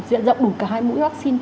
diện rộng đủ cả hai mũi vaccine